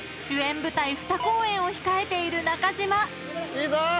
いいぞ！